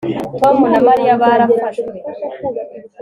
Tom na Mariya barafashwe